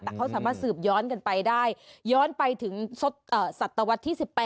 แต่เขาสามารถสืบย้อนกันไปได้ย้อนไปถึงสัตวรรษที่๑๘